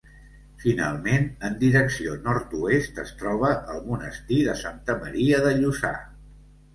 Finalment, en direcció nord-oest, es troba el monestir de Santa Maria de Lluçà.